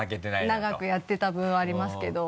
長くやってた分ありますけど。